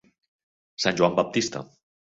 Sant Joan Baptista.